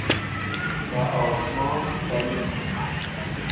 ta osmon tayin